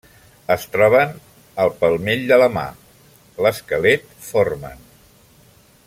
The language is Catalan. Es troben al palmell de la mà, l'esquelet formen.